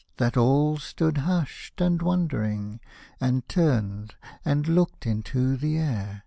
That all stood hushed and wondering, And turned and looked into the air.